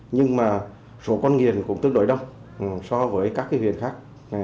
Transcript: nhưng mà số con nghiền cũng tương đối đông so với các huyện khác